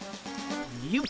よっ。